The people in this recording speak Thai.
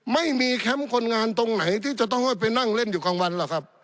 แคมป์คนงานตรงไหนที่จะต้องให้ไปนั่งเล่นอยู่กลางวันหรอกครับ